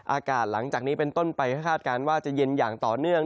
อากาศหลังจากนี้เป็นต้นไปคาดการณ์ว่าจะเย็นอย่างต่อเนื่อง